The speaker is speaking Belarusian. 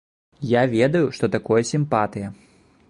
Я ведаю, што такое сімпатыя.